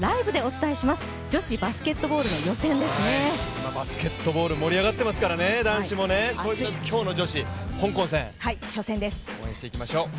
今、バスケットボール盛り上がってますからね男子も、あと今日の女子香港戦、応援していきましょう。